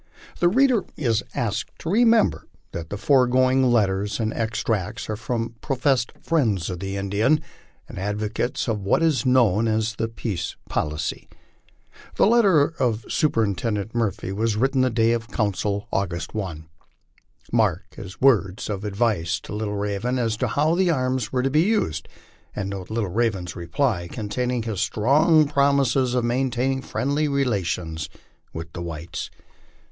The reader is asked to remember that the foregoing letters and extracts are from professed friends of the Indian and advocates of what is known as the peace policy. The letter of Superintendent Murphy was written the day of council, August 1. Mark his words of advice to Little Raven as to how the arms were to be used, and note Little Raven's reply containing his strong promises of maintaining friendly relations with the whites.